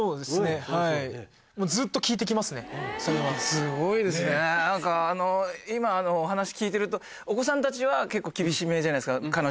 すごいですね何かあの今お話聞いてるとお子さんたちは結構厳しめじゃないですか彼女とか。